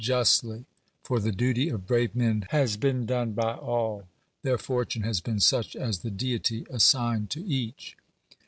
Justly! For th':^ duty of brave men has been done by all : thrir fortune has been such as the Deity assigned to each.